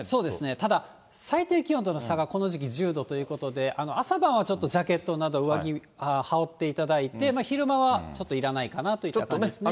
ただ、最低気温との差がこの時期１０度ということで、朝晩はちょっとジャケットなど上着、羽織っていただいて、昼間はちょっといらないかなといった感じですね。